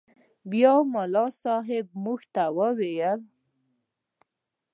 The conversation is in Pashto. بيا ملا صاحب موږ ته وويل.